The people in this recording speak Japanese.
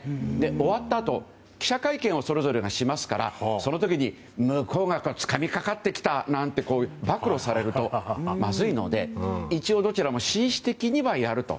終わったあと、記者会見をそれぞれがしますからその時につかみかかってきたなんて暴露されるとまずいので、一応どちらも紳士的にはやると。